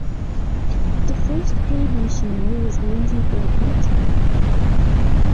The first paid missionary was Lindsay Burfoot.